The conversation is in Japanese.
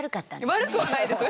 悪くはないです。